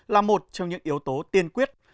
là một trong những yếu tố tiên quyết